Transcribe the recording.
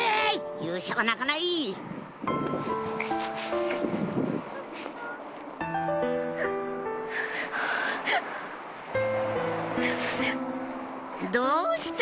勇者は泣かないどうした？